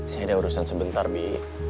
saya ada urusan sebentar nih